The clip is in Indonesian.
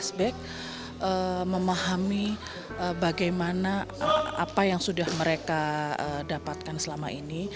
flashback memahami bagaimana apa yang sudah mereka dapatkan selama ini